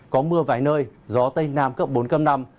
có mưa vài nơi gió tây nam cấp bốn cấp năm